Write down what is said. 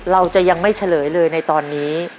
เราจะยังไม่เฉลยเลยในตอนนี้